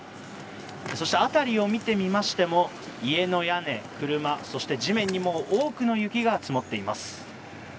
そして、辺りを見てみましても家の屋根、車そして地面にも多くの雪が積もっています。